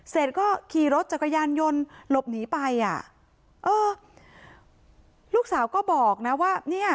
เสร็จก็ขี่รถจักรยานยนต์หลบหนีไปอ่ะเออลูกสาวก็บอกนะว่าเนี่ย